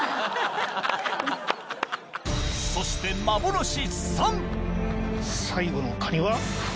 そして最後のカニは。